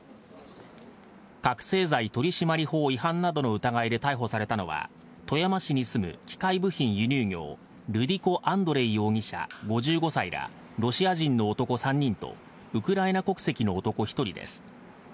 覚醒剤取締法違反などの疑いで逮捕されたのは、富山市に住む機械部品輸入業、ルディコ・アンドレイ容疑者５５歳ら、ロシア人国籍の男３人と、ウクライナ国籍の男１人です。